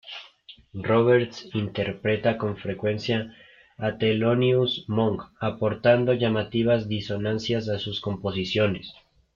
Roberts interpreta con frecuencia a Thelonious Monk, aportando llamativas disonancias a sus composiciones.